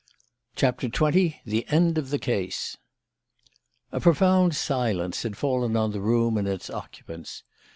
CHAPTER XX THE END OF THE CASE A profound silence had fallen on the room and its occupants.